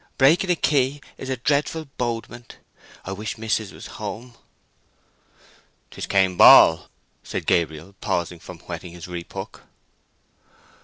Breaking a key is a dreadful bodement. I wish mis'ess was home." "'Tis Cain Ball," said Gabriel, pausing from whetting his reaphook.